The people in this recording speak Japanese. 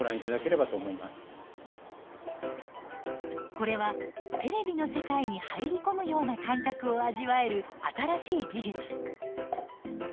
これはテレビの世界に入り込むような感覚を味わえる新しい技術。